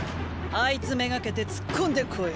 あいつ目がけて突っ込んでこい。